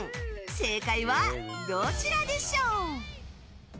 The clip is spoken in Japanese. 正解はどちらでしょう。